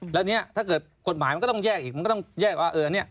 แล้วนี้ถ้าเกิดกฎหมายมันก็ต้องแยกอีก